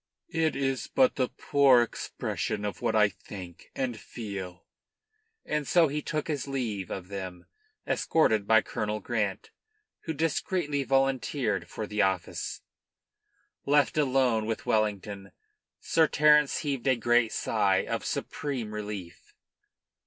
"It is but the poor expression of what I think and feel." And so he took his leave of them, escorted by Colonel Grant, who discreetly volunteered for the office. Left alone with Wellington, Sir Terence heaved a great sigh of supreme relief.